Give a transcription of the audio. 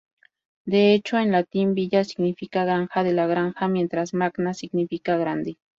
De hecho, en latín villa significa "granja", "de la granja", mientras magna significa "grande".